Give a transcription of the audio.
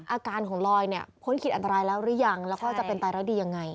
อาการของลอยเนี่ยพ้นขีดอันตรายแล้วหรือยังแล้วก็จะเป็นตายแล้วดียังไง